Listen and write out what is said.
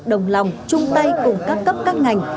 đồng lòng chung tay cùng các cấp các ngành